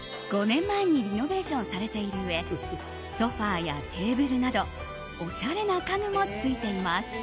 ５年前にリノベーションされているうえソファやテーブルなどおしゃれな家具もついています。